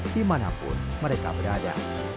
di manapun mereka berada